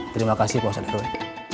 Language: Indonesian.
terima kasih pak ustadz heru